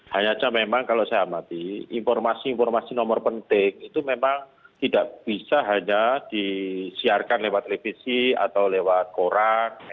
hanya saja memang kalau saya amati informasi informasi nomor penting itu memang tidak bisa hanya disiarkan lewat televisi atau lewat koran